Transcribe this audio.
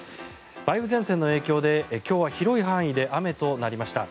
梅雨前線の影響で、今日は広い範囲で雨となりました。